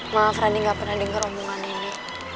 maaf nani gak pernah denger omongan ini